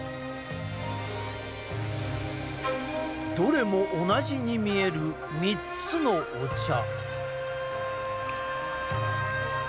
どれも同じに見える３つのお茶。